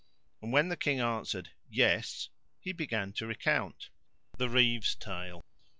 And when the King answered "Yes" he began to recount The Reeve's Tale.